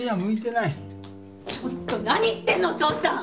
ちょっと何言ってるのお父さん！